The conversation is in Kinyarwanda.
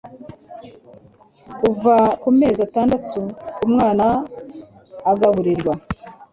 kuva kumezi atandatu ku umwana agaburirwa